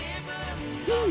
うん。